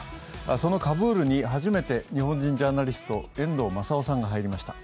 そのカブールに初めて日本人ジャーナリスト遠藤正雄さんが入りました。